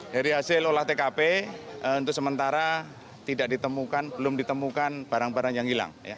dari hasil ulat tkp untuk sementara belum ditemukan barang barang yang hilang